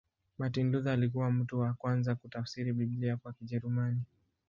Martin Luther alikuwa mtu wa kwanza kutafsiri Biblia kwa Kijerumani.